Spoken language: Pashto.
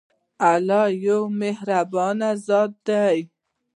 الله يو مهربان ذات دی.